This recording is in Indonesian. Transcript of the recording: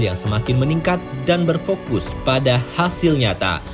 yang semakin meningkat dan berfokus pada hasil nyata